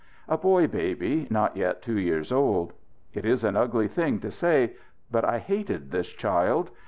A boy baby, not yet two years old. It is an ugly thing to say, but I hated this child.